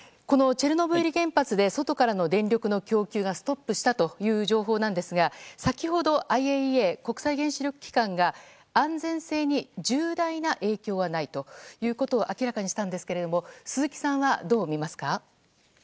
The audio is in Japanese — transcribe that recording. このチェルノブイリ原発で外からの電力の供給がストップしたという情報ですが先ほどＩＡＥＡ・国際原子力機関が安全性に重大な影響はないということを明らかにしたんですが鈴木さんはどうみますか。